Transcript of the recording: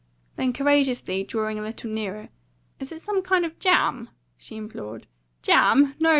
Then, courageously drawing a little nearer: "Is it some kind of jam?" she implored. "Jam? No!"